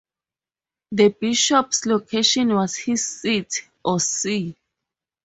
The bishop's location was his "seat", or "see".